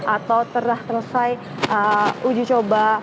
atau telah selesai ujicoba